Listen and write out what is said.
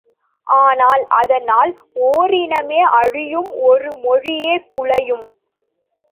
ஆனால் அதனால் ஓரினமே அழியும் ஒரு மொழியே குலையும்.